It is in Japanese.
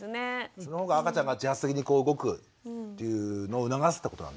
その方が赤ちゃんが自発的に動くっていうのを促すってことなんですね？